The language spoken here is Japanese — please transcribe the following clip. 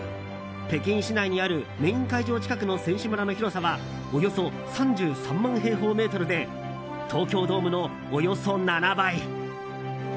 北京市内にあるメイン会場近くの選手村の広さはおよそ３３万平方メートルで東京ドームのおよそ７倍。